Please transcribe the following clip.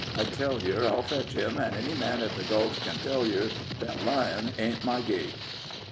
I tell yer I'll fetch him, an' any man at the Gulch ken tell yer thet lyin' ain't my gait."